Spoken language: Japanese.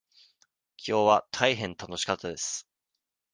きょうは大変楽しかったです。